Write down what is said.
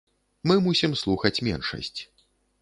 Мы мусім слухаць меншасць.